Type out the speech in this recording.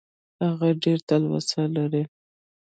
هغه ډېره تلوسه لري .